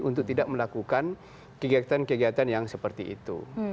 untuk tidak melakukan kegiatan kegiatan yang seperti itu